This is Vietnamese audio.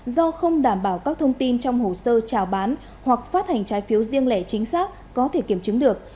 do không đảm bảo các thông tin trong hồ sơ trào bán hoặc phát hành trái phiếu riêng lẻ chính xác có thể kiểm chứng được